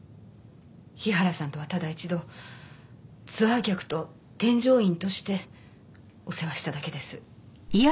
日原さんとはただ一度ツアー客と添乗員としてお世話しただけです。